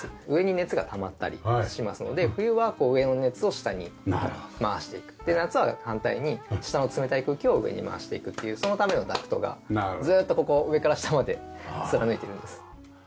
上に熱がたまったりしますので冬は上の熱を下に回していく夏は反対に下の冷たい空気を上に回していくっていうそのためのダクトがずーっとここ上から下まで貫いてるんです。